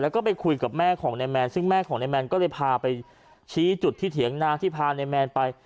แล้วก็ไปคุยกับแม่ของนายแมนซึ่งแม่ของนายแมนก็เลยพาไปชี้จุดที่เถียงนาที่พานายแมนไป